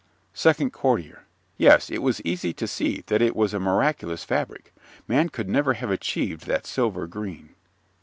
SECOND COURTIER Yes, it was easy to see that it was a miraculous fabric. Man could never have achieved that silver green.